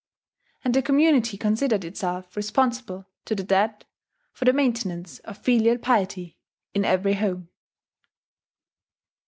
And the community considered itself responsible to the dead for the maintenance of filial piety in every home.